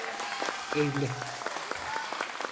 Evli.